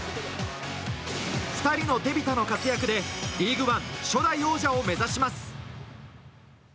２人のテビタの活躍でリーグワン初代王者を目指します。